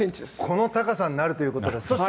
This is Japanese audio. この高さになるということです。